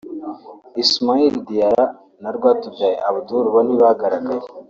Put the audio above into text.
Ismaila Diarra na Rwatubyaye Abdoul bo ntibagaragaye